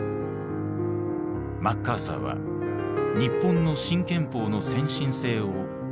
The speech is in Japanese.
マッカーサーは日本の新憲法の先進性を誇らしげに語った。